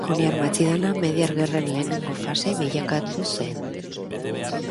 Joniar matxinada Mediar Gerren lehenengo fase bilakatu zen.